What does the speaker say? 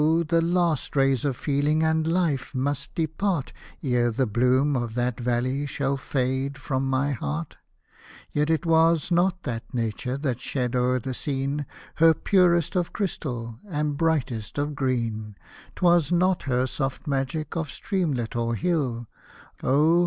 the last rays of feeling and life must depart, Ere the bloom of that valley shall fade from my heart. Hosted by Google 12 IRISH MELODIES Yet it was not that Nature had shed o'er the scene Her purest of crystal and brightest of green ; 'Twas 7iot her soft magic of streamlet or hill, Oh